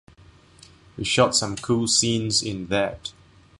We shot some cool scenes in that.